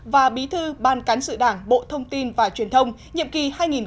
và bí thư ban cán sự đảng bộ thông tin và truyền thông nhiệm kỳ hai nghìn một mươi sáu hai nghìn một mươi một